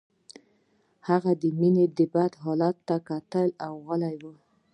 هغه د مينې بد حالت ته کتل او غلی و